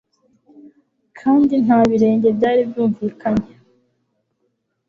kandi nta birenge byari byumvikanye.